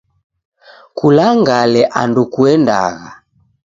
Kulangale andu kuendagha.